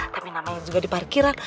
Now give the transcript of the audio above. tapi namanya juga di parkiran